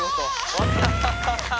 終わった！